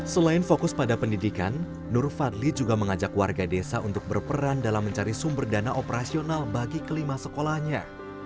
selain fokus pada pendidikan nur fadli juga mengajak warga desa untuk berperan dalam mencari sumber dana operasional bagi kelima sekolahnya